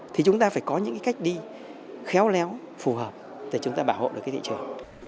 thì chúng ta phải có những cái cách đi khéo léo phù hợp để chúng ta bảo hộ được cái thị trường